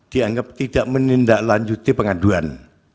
dianggap tidak menindaklanjuti pengaduan